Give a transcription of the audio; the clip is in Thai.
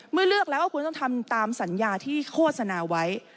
เลือกแล้วก็ควรต้องทำตามสัญญาที่โฆษณาไว้